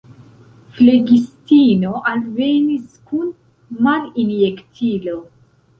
Flegistino alvenis kun malinjektilo.